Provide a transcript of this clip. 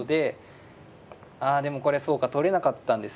あでもこれそうか取れなかったんですね。